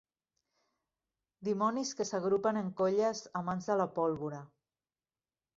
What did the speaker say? Dimonis que s'agrupen en colles amants de la pólvora.